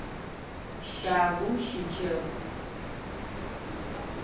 Щагум щыджэгу!